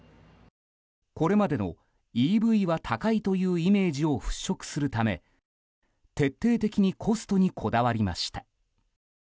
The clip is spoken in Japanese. これまでのＥＶは高いというイメージを払拭するため、徹底的にコストにこだわりました。